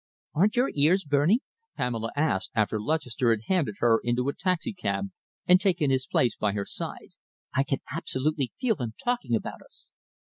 "Aren't your ears burning?" Pamela asked, after Lutchester had handed her into a taxicab and taken his place by her side. "I can absolutely feel them talking about us."